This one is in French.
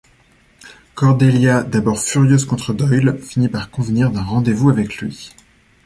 Cordelia, d'abord furieuse contre Doyle, finit par convenir d'un rendez-vous avec lui.